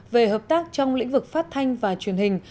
về hợp tác trong lĩnh vực phát thanh và truyền hình